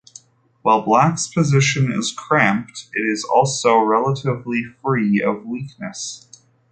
While Black's position is cramped, it is also relatively free of weaknesses.